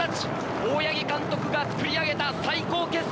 大八木監督が作り上げた最高傑作。